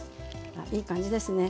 いい感じですね。